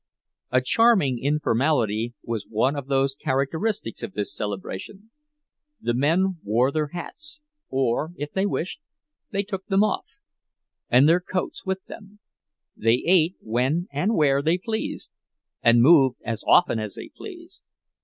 A charming informality was one of the characteristics of this celebration. The men wore their hats, or, if they wished, they took them off, and their coats with them; they ate when and where they pleased, and moved as often as they pleased.